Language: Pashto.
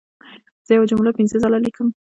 زه یوه جمله پنځه ځله لیکم.